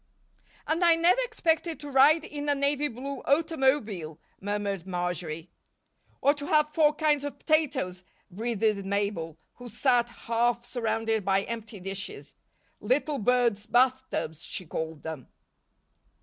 "And I never expected to ride in a navy blue automobile," murmured Marjory. "Or to have four kinds of potatoes," breathed Mabel, who sat half surrounded by empty dishes "little birds' bath tubs," she called them.